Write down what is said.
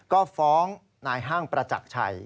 ก็ฟ้องนายห้างประจักรชัย